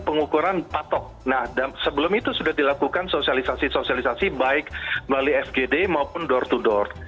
nah dan sebelum itu sudah dilakukan sosialisasi sosialisasi baik balik fgd maupun door to door